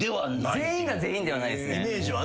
全員が全員ではないですね。